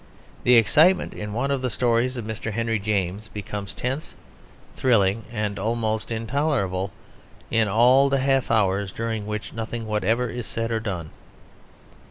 The excitement in one of the stories of Mr. Henry James becomes tense, thrilling, and almost intolerable in all the half hours during which nothing whatever is said or done.